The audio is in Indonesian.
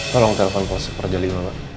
tolong telepon ke posisif perjaliwa pak